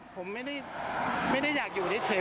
ผมไม่ได้อยากอยู่เฉย